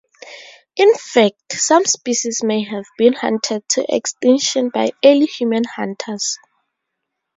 In fact, some species may have been hunted to extinction by early human hunters.